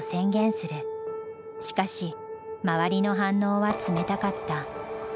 しかし周りの反応は冷たかった。